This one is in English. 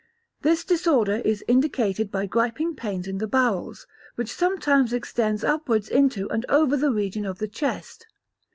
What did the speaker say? This disorder is indicated by griping pains in the bowels, which sometimes extends upwards into and over the region of the chest.